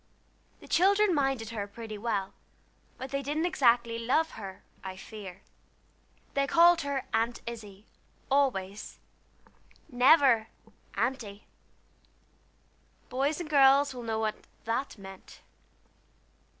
The children minded her pretty well, but they didn't exactly love her, I fear. They called her "Aunt Izzie" always, never "Aunty." Boys and girls will know what that meant.